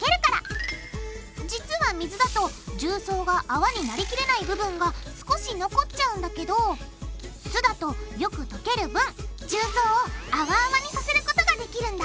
実は水だと重曹があわになりきれない部分が少し残っちゃうんだけど酢だとよく溶ける分重曹をあわあわにさせることができるんだ！